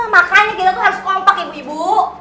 makanya kita tuh harus kompak ibu ibu